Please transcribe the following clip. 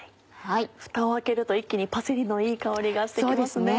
ふたを開けると一気にパセリのいい香りがして来ますね。